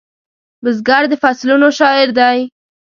بزګر د فصلونو شاعر دی